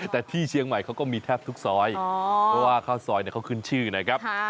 แต่ที่เชียงใหม่เขาก็มีแทบทุกซอยเพราะว่าข้าวซอยเขาขึ้นชื่อนะครับ